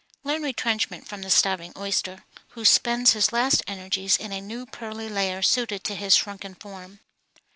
Learn retrenchment from the starving oyster, who spends his last energies in a new pearly layer suited to his shrunken form.